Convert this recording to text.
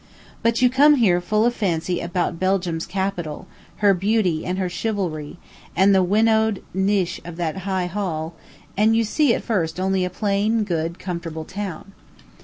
But you come here full of fancy about "Belgium's capital," "her beauty and her chivalry," and the "windowed niche of that high hall," and you see at first only a plain, good, comfortable town.